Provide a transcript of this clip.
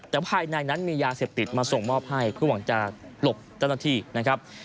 แต่ภายในนั้นมียาเสพติดมาส่งมอบให้เพื่อหวังจะหลบตั้งนาที